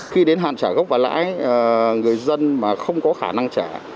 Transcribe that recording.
khi đến hạn trả gốc và lãi người dân mà không có khả năng trả